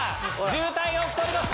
渋滞が起きております。